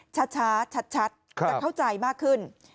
ช้าชัดจะเข้าใจมากขึ้น